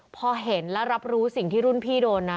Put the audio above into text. พอเห็นและรับรู้สิ่งที่รุ่นพี่โดนนะ